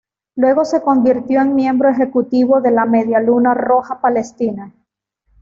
Luego se convirtió en miembro ejecutivo de la Media Luna Roja Palestina.